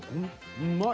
うまい。